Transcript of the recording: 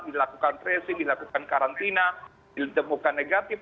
dilakukan tracing dilakukan karantina ditemukan negatif